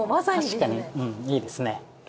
確かにいいですね。